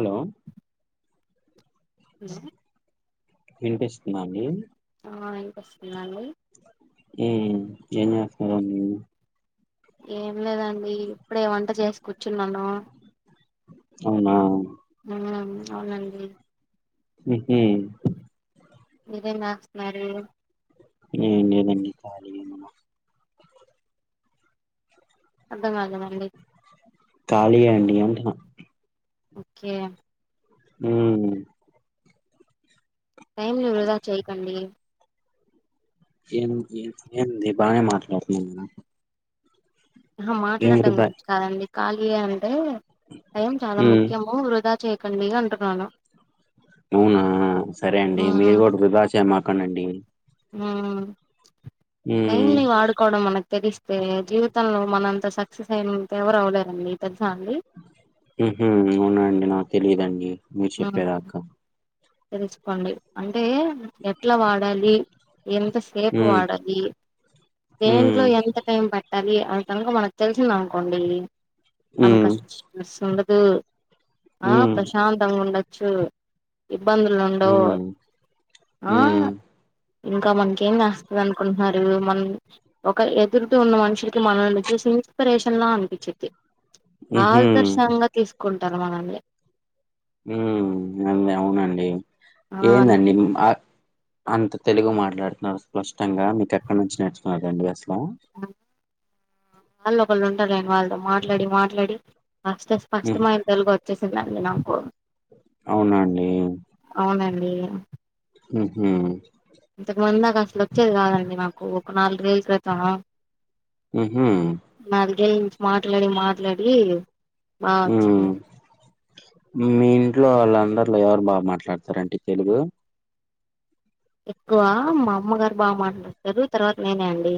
Hello hello వినిపిస్తుందా అండి ఆ ఇంకొస్తుందండి మ్మ్ ఏం చేస్తున్నారు అండి ఏం లేదండి ఇప్పుడే వంట చేసి కూర్చున్నాను అవునా మ్మ్ అవునండి మ్మ్ హ్మ్ మీరు ఏం చేస్తున్నారు ఏం లేదు అండి కాలి ఐ అర్థం కాలేదు అండి కాలి ఐ అండి అంటున్న ఓకే హ్మ టైమ్ నీ వృధా చేయకండి ఏం ఏ ఏంది బాగానే మాట్లాడుతున్నాను నేను ఆ మాట్లాడడం గురించి కాదండి కాల ఐ అని టైమ్ చాలా ఉమ్ ముఖ్యము వృధా చే కండి అంటునాను అవునా సరే అండి మీరు కూడా వృధాచెయ్మా కనండి మ్మ్ ఏం ఉమ్ [inaudible] వాడుకోవడం మనకి తెగిస్తే జీవితంలో మనంత సక్సెస్ అయినంత ఎవరు అవలేరండి ఊహూ అవునా అండి నాకు తెలియదం [unintelligible] మీర్ మ్మ్ చెప్పే దాకా తెలుసుకోండి అన్ టే ఎట్లా వాడాలి ఎంతసేపు ఉమ్ వాడాలి ఉమ్ దేంట్లో ఎంత టైం ప అది అది కనుక మనకు తెలిసిందనుకోండి ఉమ్ మనకా [unintelligible] మ్మ్ ఆ ఉమ్ ప్రశాంతంగుండ చు ఇబ్బందులుండవు ఉమ్ ఆ ఉమ్ ఇంకా మంచి ఏం చాస్తది అనుకున్ మరియు మనం ఒక ఎదుటి ఉన్న మనుషులకి మనల్ని చూసి ఇన్స్పిరేషన్ లా అనిపిచ్చిద్ది ఉహు ఆదర్శంగా తీస్ కుంటారు మనల్ని ఉమ్ అన్ని అవునండి ఆ ఏందండి అందుకే మ్ ఆ అంత తెలుగు మాట్లాడుతున్నారు స్పష్టంగా మీకెక్కడ నుంచి నేర్చుకున్నారండి అసలు [unintelligible] మళ్ళొకళ్ళు ఉంటారులే వాళ్లతో మాట్లాడి మాట్లాడి [unintelligible] ఉహ్ స్పష్టమైన తెలుగొచ్చేసి గ్లాన్ మినాపూర్ అవునాండి [unintelligible] ఉహూ ఇంతకు ముంద అసలొచ్చేది కాదండి మాకు ఒక నాలుగు [inaudible] క్రితం ఉహు నాలుగేళ్ళ నుంచి మాట్లాడి మా ఉమ్ మీ ఇంట్లో వాళ్ళందరు బాగా మాట్లాడతారండి తెలుగు ఎక్కువ మా అమ్మగారు బాగా మాట్లాతారు తర్వాత నేనే అండి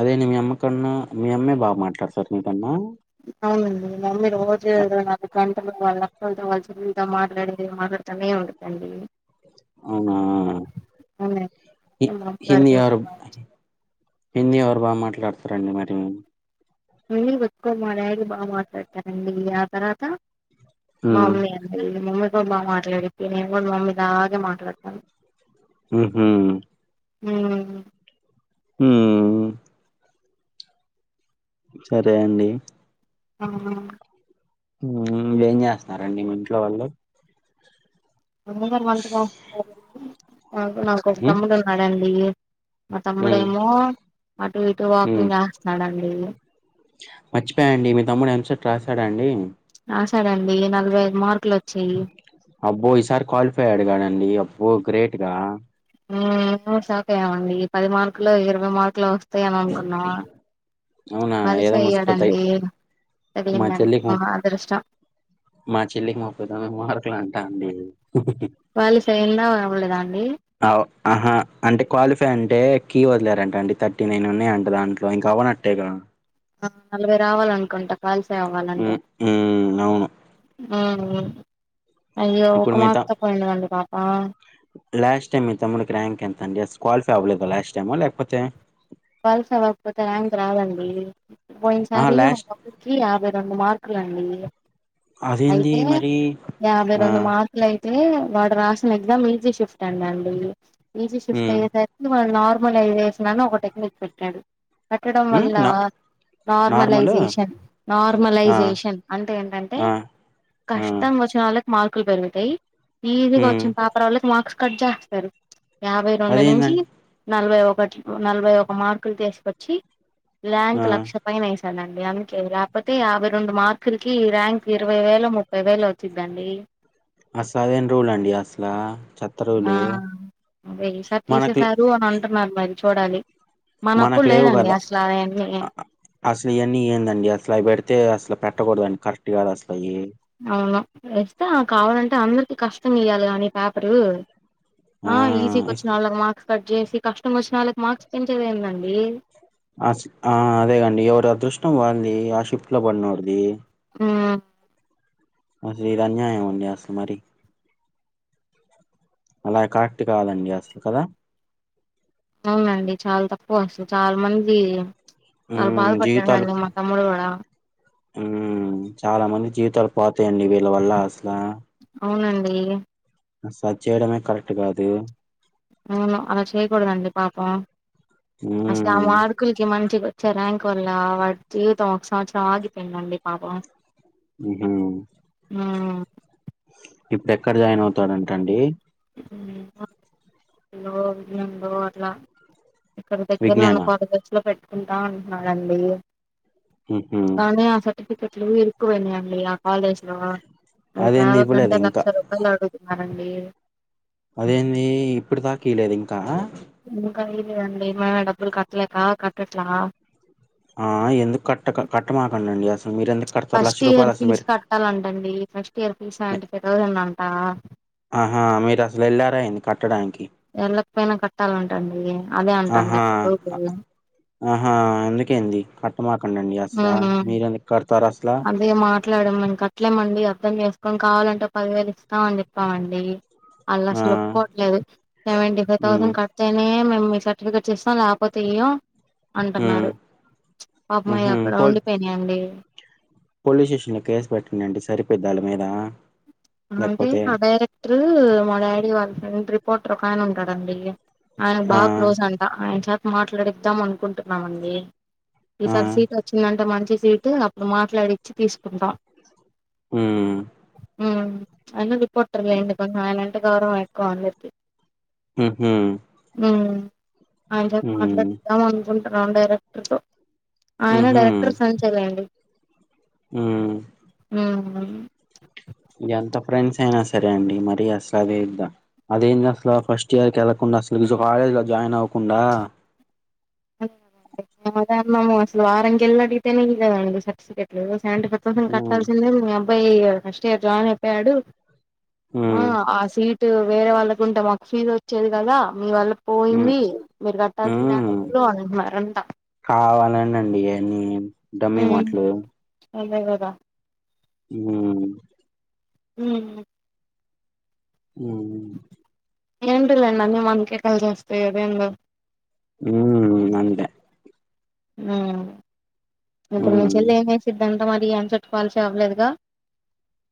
అదే న మీ అమ్మ కన్నా మీ అమ్మే బాగా మాట్లాతర మీ కన్నా అవునండి మమ్మీ రోజు ఏదైనా గంటలు వాళ్ళ అక్కలతో వల్ల చెల్లెళ్ళతో మాట్లాడి మాట్లాడుతూనే ఉంటది అండి అవునా అవునండి మా హిందీ అమ్మగారికి ఇంకా ఎవరు బాగా హిందీ ఎవరు బాగా మాట్లాడతారండి మరి రహిందీ ఎక్కువ మా డాడీ బాగా మాట్లాడుతారండి ఆ తర్వాత ఉమ్ మామయ్య బా మాట్లాడితే నను కూడా మమ్మీ లాగానే మాట్లాడతాను ఉహు ఉమ్ ఉమ్ సరే అండి ఆహ ఉమ్ ఏం చేస్తున్నారండి మీ ఇంట్లో వాళ్ళు అమ్మమ్మ వాళ్ళ ఇంట్లో ఉంటారు వానికి నాకు ఒక ఉమ్ తమ్ముడు ఉన్నాడండి మా ఉమ్ తమ్ముడేమో అటు ఇటు ఉమ్ వాకింగ్ చేస్తాడండి రాసాడండి రాశాడండి నాలబైఐదు మార్కులు వచ్చాయి అబ్బో ఈసారి క్వాలిఫైడ్ అయ్యాడండి గ్రేట్గా హు మిమ్ షాక్ అయ్యామండి ఈ పది మార్కులు ఇరవై మార్కులు వస్తయి అని అనుకున్నాం అవునా? ఏదో క్వాలిఫై ముస్కుతై. అయ్యాడండి మా చెల్లికి తగిలిందనుకో ము అదృష్టం మా చెల్లికి ముపైతొమ్మిది మర్కులు అంటా అండి అయ్యేందా అవ్వాలేదా అ ఆహా అంటే క్వాలిఫై అంటే కీ వదిలారంట అంటడి థర్టీ నైన్ ఉన్నాయి అంట దాంట్లో ఇంక అవ్వనట్టే గా నలభై రావాల అనుకుంటాను క్వాలిఫై అవ్వాలంటే హ్మ్. హ్మ్. అవును. ఆ ఇప్పుడు మిగతా లాస్ట్ టైమ్ మి తమ్ముడికి ర్యాంక్ ఎంత అండి క్వాలిఫై అవ్వలేద లాస్ట్ టైమా లేకపోతే పల్స అవ్వకపోతే ర్యాంక్ రాదండి అహా! పోయినసారి మా లాస్ట్ పాపా కీ యాభై రెండు మార్కులు అండి అదేంది అయితే మరి? యాభై ఆ! రెండు మార్కులు అయి అయితే వాడు రాసిన ఎగ్జామ్ ఈజీ షిఫ్ట్ అంటా అండి ఈజీ షిఫ్ట్ హ్మ్. అయ్యేసరికి వాళ్ల నార్ అప్పుడ్ నేన్ చేసినాను ఒక టెక్నిక్ పెట్టాడు కట్టడం హ్మ్. వల్ల నా నార్మలు? నార్మలైజేషన్ ఆ! నార్మలైజేషన్ అంటే ఏంటంటే ఆ! ఆ! కష్టం వచ్చిన వాళ్ళక్ మార్కులు పెరుగుతయి ఈజీగా హ్మ్. వచ్చింది పపర్ వాళ్ళకి మార్క్స్ కట్ జాస్తరు యాభై రెండు నుంచి అదేందండి? నలభై ఒకటి నలభై ఒక ఒక మార్కులు తీసుకొచ్చి ల్యాంక్ ఆ! లక్ష పైన స్ సనండి అందుకే లేకపోతే యాభై రెండు మార్కులకి ర్యాంక్ ఇరవై వేలు ముప్పై వేలు వచ్చిదండి ఆ సదవెన్ రుల్ అండి అసలా చెత్త ఆ రూలు అదే ఈసారి మనకు లే తీసేసారు అని అంటున్నారు మరి చూడాలి మనకు మనప్పుడు లేవు లేదండి కదా అసలు అయన్నీ అ అసలు ఇయన్నీ ఏందండి అసలు అవి పెడితే అసలు పెట్టకూడదు అండి కరెక్ట్ కాదాసల అవును ఇస్తా కావాలంటే అందరికి కష్టం ఇయ్యాలి కానీ పేపరు ఆ ఈజీ ఇస్ కొచ్చి నల్గు మార్క్స్ కట్ చేసి కష్టం వచ్చిన వాళ్ళకి మార్క్స్ పెంచేద్దెముందండి ఆ ఆ అదే అండి ఎవరి అదృష్టం వాన్ది ఆ షిఫ్ట్ లో పడినొంది మ్మ్ అసలీది అన్యాయం అండి అసలు మరి అలా కరక్ట్ కాదండి అసలు కదా అవునండి చాలా తక్కువ వస్తుంది చాలా మంది చాలా ఉమ్ బాధ పడ్డాడండి మా తమ్ముడు కూడా మ్మ్మ్ చాలా మంది జీవితాలు పోతాయండి వీళ్ళ వల్ల అసల అవునండి సచేయడమే కరెక్ట్ కాదు అవును అలా చెయ్యకూడదండి పాపం అస్లా ఉమ్ మార్కులకి మంచిగొ వచ్చే ర్యాంక్ వల్ల వాడి జీవితం ఒక సంవత్సరం ఆగిపోయిందండి పాపం హ ఆ ఇప్పుడు ఎక్కడ జాయిన్ అవుతాడుంటండి అట్లా ఇక్కడ దగ్గర నన్న విజ్ఞాన కాలజర్స్ లో పెట్ట కుంటా అంటున్నానండి హ ఎట్కట్ల ఇకువన్నాయ కాాలేజ్ లో అయితే అదేంది ఆవ ఇవ్వలేదు గంటా ఇంకా క్ష రూపాయలు ఆడు అనండి అదేీ ఇప్పుడు తాకయలేదు ఇంకా ఇంకా ఇద అండి ఏమనా డబ్బులు కట్టలేక కట్టట్లా ఆ ఎందుకు కట్ట కట్టమాకంండి అస ఫస్ట్ ఇయర్ ఫీజ్ కట్టాలంటండి ఫెక్స్ట్ ఇయర్ ఫీజ అలాంటి పెరంట ఆ ఆహా మీరు అసలు వెళ్లారా అంది కట్టడానికి ఎళ్ళకపోయినా కట్టాలంటండి అదే అంటండి ఆహా అ రోజలు ఇట్టమాకంండి అసలా మీర ఎందు కడతారా అసలా అట్లాడమ అట్లేమండి అర్థం చేసుకొని కావాలంటే పదివేలు ఇస్తామ అని చెప్పామండి అల్లా ఆ అసలుప్పుకోవట్లేదు సెవెంటీ ఫైవ్ ఉమ్ థౌసండ్ కడితేనే మీ సర్టిఫికేట్ ఇస్తాం లేకపోతే ఇ్యో ఉమ్ అంటున్నారు పాపమయ ఉహు అక్కడ పోల్ ఉండిపోయినాయంండి పోలీస్ స్టేషన్ లో కేసు పెట్టటిడి అండి సరిపోద్దళ్ మీద అంటే లేకపోతే ఆ డైరెక్టర్ మా డాడీ వాళ్ళ ఫ్రెం పోట రకాయన ఉంటాడండి అను ఆ బాగా క్లోస్ అంటా మాట్లాడిద్దాం అనుకుంటున్నామండి ఆ ఈసారి సీట్ వచ్చిందంటే మంచి అప్పుడు మాట్లాడిచ్చ తీసుకుంటం ఆ ఉ అన్న గు పొట్టర్లేడి ఇ కకారం అకు అంటది హ ఆ ఆమెతో మాట్లాడదాం అనుకున్నా డైరెక్టర్తో ఆయన ఉహు డైరెక్టర్ సంచల అండి ఉమ్ ఆ ఎంత ఫ్రెండ్స్ అయినా సరే అండి మరి అస అద్దా అదేంటి అసలు ఫస్ట్ ఇయర్ క వెళ్ళలకుండా అసలు కాలేజ్ లో జాయిన్ అవ్వ కుండా అద అమ్మ అసలు వారంగ ఎల అడితేనే ఇ సర్టిఫికెట్లు అంటీ పొత్తప ఉమ్ కట్టాల్సిందేగా పోయి ఫస్ట్ ఇయర్ జాయిన్ అయిపోయాడు ఆ ఉమ్ ఆసి ట్ వేరే వాళ్ళకుంటే మాకు ఫీజ్ వచ్చేది కదా మీ వల్ల ఉమ్ పోయింది మీరు కట్టాల్సిందే ఉమ్ డబ్బులు అంటున్నారంట కావాలనె అండిగా నీ డమ్మీ మాట్లూ అలా గదా హ హ అ ఏంటి లేండి అన్నీ మనకే కలిసిస్తాయి అదేం ఉ అంతే అ ఇప్పుడు మీ ఉమ్ చెల్ల ఏం వేసిద్దన్ మరి ఆన్సర్ కాల్స్ అవ్వలేదుగా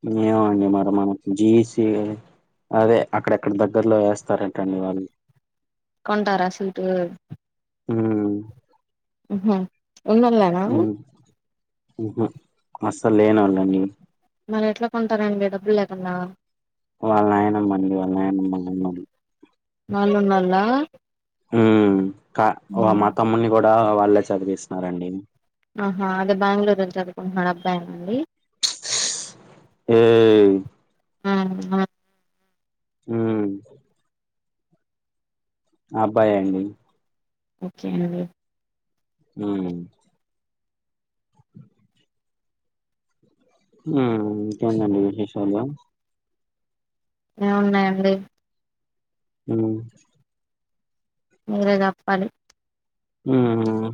ఇంకేముంది మరమా జీసే అదే అక్కడెక్కడ దగ్గర్లో వేస్తారంటండి వాళ్ళు కొంటారా సీట్లు హ ఆహా ఉన్నొల్లేనా ఉహు అస్సలు లేనోళ్ళండి మరి ఎట్లా కొంటారండి డబ్బులు లేకుండా వాళ్ళ నాయ నమ్మండి వాళ్ళ నాయనమ్మా తమ్ముడు ఆళ్ళున్నోళ్ళ ఉ కా మా తమ్ముని కూడా ళ్ళ చదివిస్తున్నారండి ఆహా అదే బెంగళూరు చదువుకుంటున్నాడు అబ్బాయినండి మ్మ్ మ్మ్ ఆ బా హ్మ్మ్ మా అబ్బాయే అండి ఓకే అండి హ్మ్మ్ మ్మ్ ఇంకేంటండి విశేషాలు ఏమి ఉన్నాయండి మ్మ్ మీరే చెప్పాలి మ్మ్ ఆ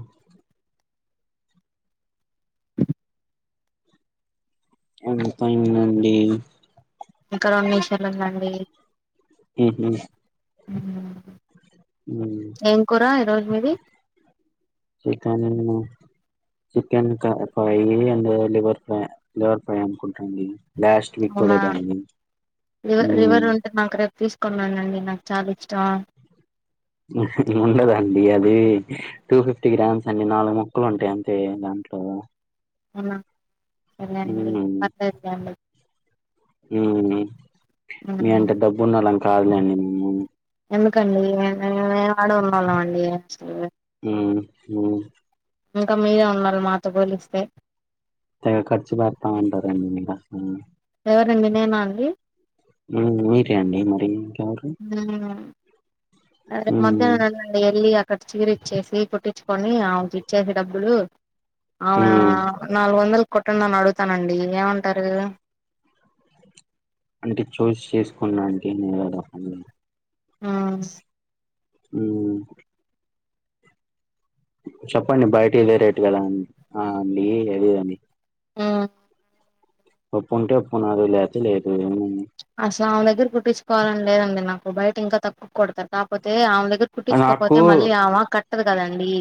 ఎంతయిందండి ఇంకా రెండు విషయాలు ఉందండి మ్మ్ హ్మ్ మ్మ్ ఏం కూరా ఈరోజు ఏది చికెన్ చికెన్ కర్ fry and liver fry liver fry అనుకుంటాండి అవునా రీవ ఉమ్ రివర్ ఉంటే నాక రే తీసుకున్నానండి నాకు చాలా ఇష్టం ఉండదండి అది టూ ఫిఫ్టీ గ్రామ్స్ అండి నాలుగు మొక్కలు ఉంటాయి అంతే దాంట్లో వునా సర్లే అండి ఉమ్ పత్తే మీ హ్మ్. అంత డబ్బు ఉనోళ్ళం కాదులెండి మేము ఎందుకండి మేం యాడ ఉన్నవాళ్ళం అండి అసలు మ్మ్ హ్మ్ ఇంకా మీరే ఉన్నారు మాతో పోలిస్తే తెగ ఖర్చు పెడతామంటారండి మీరు అసలు ఎవరండి నేనా అండి మ్మ్ మీరే అండి మరి ఇంకెవరు మ్మ్ అదే మ్మ్ మధ్యాహ్నం నుండి ఎల్లి అక్కడ చీర ఇచ్చేసి కుట్టిచి కొని ఆవికిచ్చే డబ్బులు అవునా మ్మ్ నాలుగు వందలు కుట్టండి అని అడుగుతానండి ఇంగేమంటారు అంటే చూస్ చేసుకొనడానికి [inaudible] మ్మ్ మ్మ్ చెప్పండి బయటి ఇదే రేట్ గదా ఆ అండి [inaudible] మ్మ్ ఒప్పుంటే ఒప్పు నాదే లేకపోతే లేదు ఏముంది అందులో అసలు ఆమె దగ్గర కుట్టించుకోవాలని లేదండి నాకు, బయట ఇంకా తక్కువ కుడతారు కాకపోతే ఆమె దగ్ ర్ ఆ, నాకు కుట్టించుకోకపోతే మళ్ళీ ఆమె వస్తది కదండి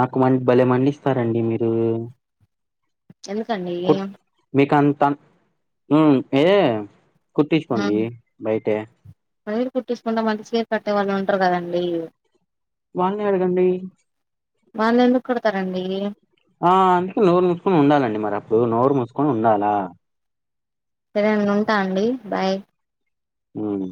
నాకు మం భలే మండిస్తారండి మీరు ఎందుకండి హోమ్ ఏ కుట్టించుకోండి బయటే బయట కుట్టించుకుంటే మంచి చీరే కట్టే వాళ్ళు ఉండరు కదండి వాళ్లని అడగండి వాళ్ళు ఎందుకు కొడతారండి ఆ అందుకే నోరు మూసుకొని ఉండాలండి మరి అప్పుడు నోరు మూసుకొని ఉండాలా సరే అండి ఉంటా అండి బాయ్ హ్మ